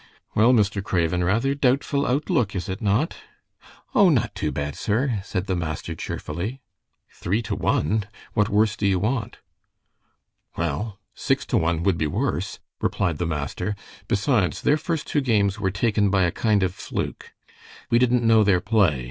"Well, Mr. Craven, rather doubtful outlook, is it not?" "O, not too bad, sir," said the master, cheerfully. "Three to one. What worse do you want?" "Well, six to one would be worse," replied the master. "Besides, their first two games were taken by a kind of fluke. We didn't know their play.